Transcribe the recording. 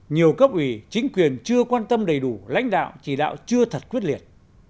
nhiều cấp ủy chính quyền chưa quan tâm đầy đủ lãnh đạo chỉ đạo chưa thật quyết liệt